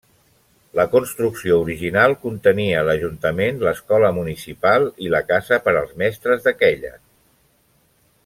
La construcció original contenia l'Ajuntament, l'Escola Municipal i la casa per als mestres d'aquella.